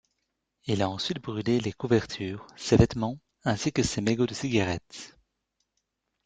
Il a ensuite brûlé les couvertures, ses vêtements ainsi que ses mégots de cigarettes.